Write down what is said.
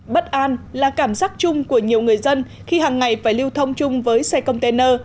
bất an là cảm giác chung của nhiều người dân khi hàng ngày phải lưu thông chung với xe container